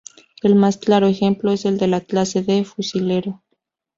El más claro ejemplo es el de la clase de fusilero.